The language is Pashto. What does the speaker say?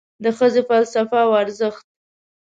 د ښځې فلسفه او ارزښت